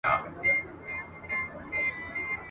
تفریح د خوښۍ سبب کېږي.